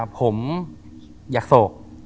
ผมอยากโศก